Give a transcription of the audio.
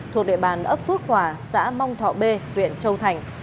thuộc địa bàn ấp phước hòa xã mong thọ b huyện châu thành